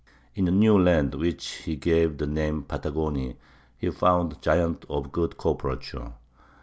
In a new land, to which he gave the name Patagoni, he found giants of "good corporature"....